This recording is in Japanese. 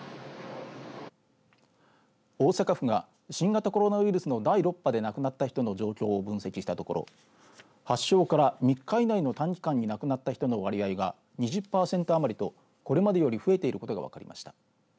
大阪府が新型コロナウイルスの第６波で亡くなった人の状況を分析したところ発症から３日以内の短期間に亡くなった人の割合が２０パーセント余りとこれまでより増えていることが分かりました。